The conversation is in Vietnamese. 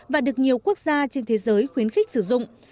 và được nhiều quốc gia trên thế giới khuyến khích sử dụng